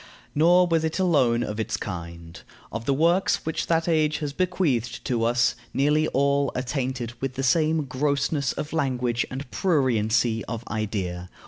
Nor was it alone of its kind. Of the works which that age has bequeathed to us, nearly all are tainted with the same grossness of language and pruriency of idea.